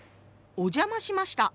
「お邪魔しました」。